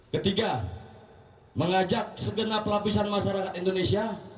ketiga mengajak segenap lapisan masyarakat indonesia